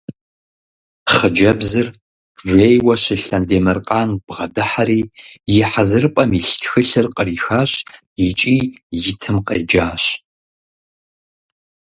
Хъыджэбзыр жейуэ щылъ Андемыркъан бгъэдыхьэри и хьэзырыпӀэм илъ тхылъыр кърихащ икӀи итым къеджащ.